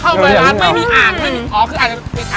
ภาพเลยร้านไม่มีอ่างเลย